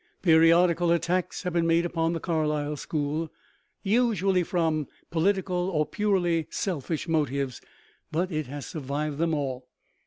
Periodical attacks have been made upon the Carlisle school, usually from political or purely selfish motives; but it has survived them all.